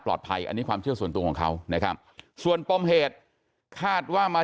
ปลอดภัยอันนี้ความเชื่อส่วนตัวของเขาส่วนป้อมเหตุคาดว่ามา